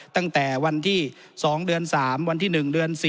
ตั้งแต่วันที่๒เดือน๓วันที่๑เดือน๔